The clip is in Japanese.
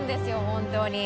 本当に。